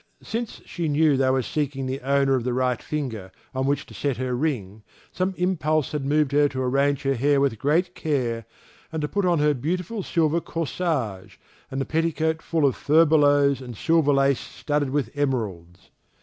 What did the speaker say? Since she knew that they were seeking the owner of the right finger on which to set her ring, some impulse had moved her to arrange her hair with great care, and to put on her beautiful silver corsage, and the petticoat full of furbelows and silver lace studded with emeralds.